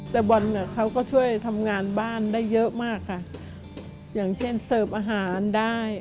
แต่บอลน่ะเขาก็ช่วยทำงานบ้านได้เยอะมากค่ะอย่างเช่นเสิร์ฟอาหารได้